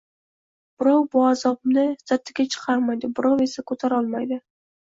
Birov bu azobni sirtiga chiqarmaydi, birov esa ko‘tarolmaydi